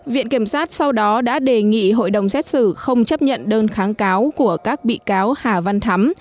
viện kiểm sát sau đó đã đề nghị hội đồng xét xử không chấp nhận đơn kháng cáo của các bị cáo hà văn thắm